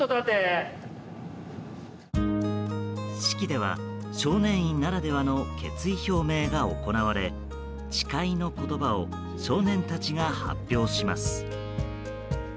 式では、少年院ならではの決意表明が行われ誓いの言葉を少年たちが発表します。